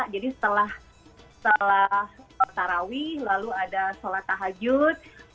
jadi setelah tarawi lalu ada solat tahajud